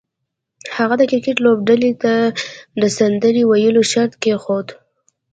هغه د کرکټ لوبډلې ته د سندرې ویلو شرط کېښود